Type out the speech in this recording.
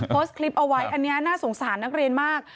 โพสต์คลิปเอาไว้อันนี้น่าสงสารนักเรียนมาก